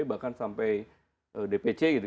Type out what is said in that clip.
bahkan sampai dpc